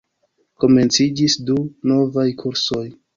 Komenciĝis du novaj kursoj.